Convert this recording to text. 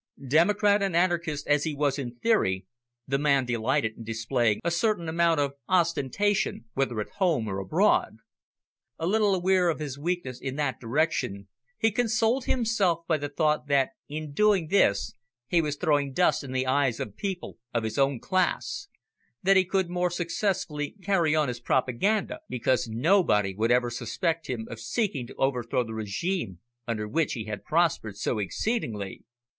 Democrat and anarchist as he was in theory, the man delighted in displaying a certain amount of ostentation, whether at home or abroad. A little aware of his weakness in this direction, he consoled himself by the thought that in doing this he was throwing dust in the eyes of people of his own class that he could more successfully carry on his propaganda, because nobody would ever suspect him of seeking to overthrow the regime under which he had prospered so exceedingly.